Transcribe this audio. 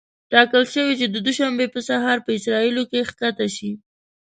ټاکل شوې چې د دوشنبې په سهار په اسرائیلو کې ښکته شي.